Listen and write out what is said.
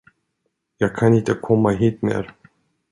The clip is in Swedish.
Jag kan inte komma hit mer.